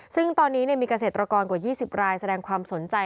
ซึ่งตอนนี้มีเกษตรกรกว่า๒๐รายแสดงความสนใจ